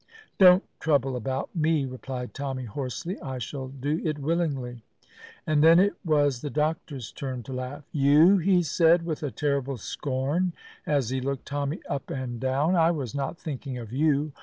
"Don't trouble about me," replied Tommy, hoarsely; "I shall do it willingly." And then it was the doctor's turn to laugh. "You!" he said with a terrible scorn as he looked Tommy up and down. "I was not thinking of you.